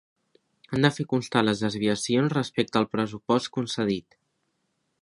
Han de fer constar les desviacions respecte al pressupost concedit.